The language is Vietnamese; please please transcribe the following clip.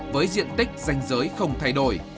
với diện tích danh giới không thay đổi